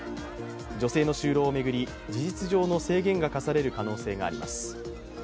女性の就労を巡り、事実上の制限が課される可能性があります。